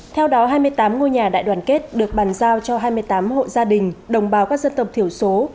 theo đó hai mươi tám ngôi nhà đại đoàn kết được bàn giao cho hai mươi tám hộ gia đình đồng bào các dân tộc thiểu số